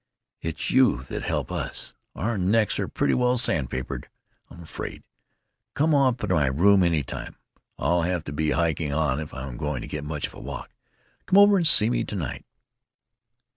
It's you that help us. Our necks are pretty well sandpapered, I'm afraid.... Come up to my room any time.... I'll have to be hiking on if I'm going to get much of a walk. Come over and see me to night."